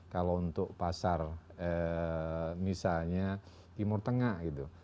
kalau untuk pasar misalnya timur tengah gitu